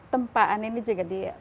tempaan ini juga dia